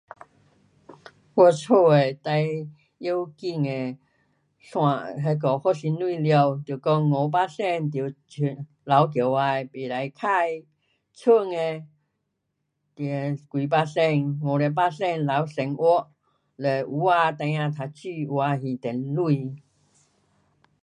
我家的最要紧的事，发薪水了，得讲五八仙得存，留起来，不可花，剩的几八仙，五十八仙留生活，嘞有些的还孩儿读书，有些还电钱。